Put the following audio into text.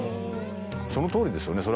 そのとおりですよね